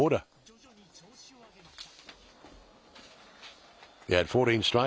徐々に調子を上げました。